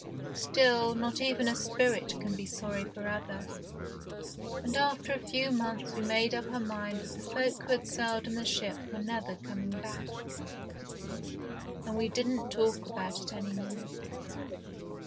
Still, not even a spirit can be sorry for ever, and after a few months we made up our mind that the folk who had sailed in the ship were never coming back, and we didn't talk about it any more.